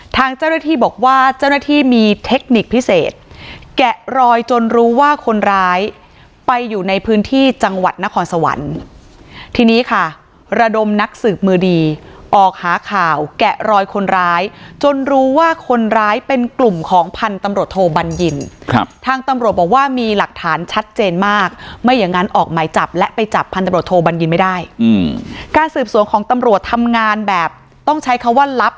ทางเจ้าหน้าที่บอกว่าเจ้าหน้าที่มีเทคนิคพิเศษแกะรอยจนรู้ว่าคนร้ายไปอยู่ในพื้นที่จังหวัดนครสวรรค์ที่นี้ค่ะระดมนักสืบมือดีออกหาข่าวแกะรอยคนร้ายจนรู้ว่าคนร้ายเป็นกลุ่มของพันธ์ตำรวจโทบัญญินทางตำรวจบอกว่ามีหลักฐานชัดเจนมากไม่อย่างงั้นออกไหมจับและไปจับพันธ์ตำรวจโทบ